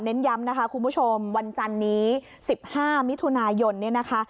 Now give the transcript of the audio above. เห็นย้ำนะคะคุณผู้ชมวันจันทร์นี้๑๕มิถุนายนนะคะ